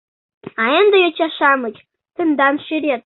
— А ынде, йоча-шамыч, тендан черет.